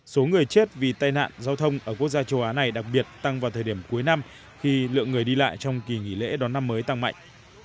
số người chết vì tai nạn giao thông ở quốc gia châu á này đặc biệt tăng vào thời điểm cuối năm khi lượng người đi lại trong kỳ nghỉ lễ đón năm mới tăng mạnh